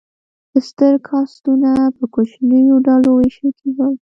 ستر کاستونه په کوچنیو ډلو وویشل شول.